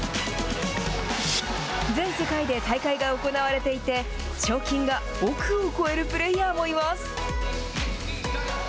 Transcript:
全世界で大会が行われていて、賞金が億を超えるプレイヤーもいます。